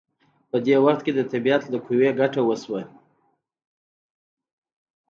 په دې وخت کې د طبیعت له قوې ګټه وشوه.